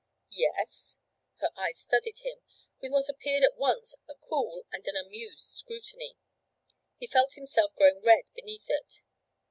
'Yes?' Her eyes studied him with what appeared at once a cool and an amused scrutiny. He felt himself growing red beneath it.